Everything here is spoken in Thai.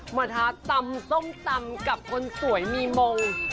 มาท้าตำส้มตำกับคนสวยมีมง